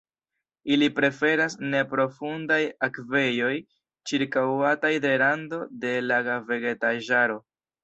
Ili preferas neprofundaj akvejoj ĉirkaŭataj de rando de laga vegetaĵaro.